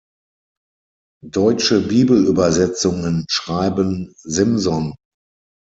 Deutsche Bibelübersetzungen schreiben "Simson".